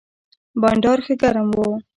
بانډار ښه ګرم و.